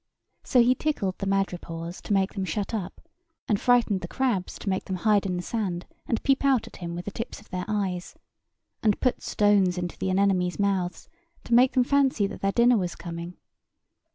So he tickled the madrepores, to make them shut up; and frightened the crabs, to make them hide in the sand and peep out at him with the tips of their eyes; and put stones into the anemones' mouths, to make them fancy that their dinner was coming.